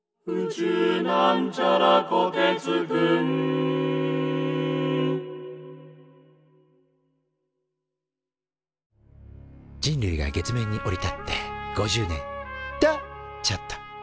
「宇宙」人類が月面に降り立って５０年！とちょっと。